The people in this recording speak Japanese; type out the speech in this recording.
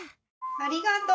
ありがとう。